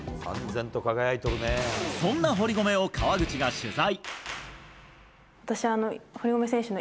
そんな堀米を川口が取材。